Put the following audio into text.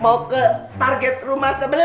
mau ke target rumah sebenarnya